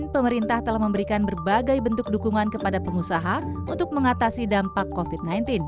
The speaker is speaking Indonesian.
pemerintah telah memberikan berbagai bentuk dukungan kepada pengusaha untuk mengatasi dampak covid sembilan belas